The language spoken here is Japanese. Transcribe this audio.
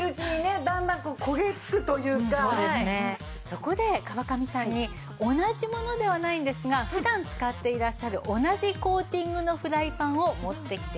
そこで川上さんに同じものではないんですが普段使っていらっしゃる同じコーティングのフライパンを持ってきて頂きました。